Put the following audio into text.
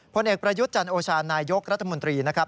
ผลเอกประยุทธ์จันโอชานายกรัฐมนตรีนะครับ